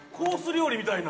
料理みたいな。